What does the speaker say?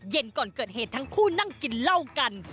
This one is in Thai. ก่อนเกิดเหตุทั้งคู่นั่งกินเหล้ากัน